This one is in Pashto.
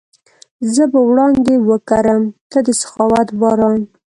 زه به وړانګې وکرم، ته د سخاوت باران